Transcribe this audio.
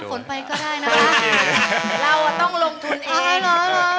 เราต้องลงทุนเอง